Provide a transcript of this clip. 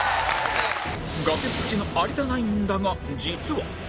崖っぷちの有田ナインだが実は